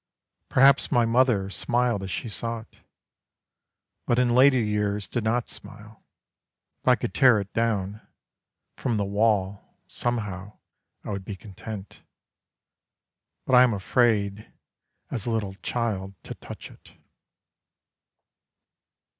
Perhaps my mother Smiled as she saw it; But in later years did not smile. If I could tear it down, From the wall Somehow I would be content. But I am afraid, as a little child, to touch it.